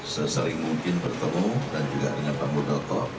sesering mungkin bertemu dan juga dengan panggung dato'